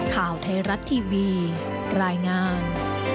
ข่าวไทยรัฐทีวีรายงาน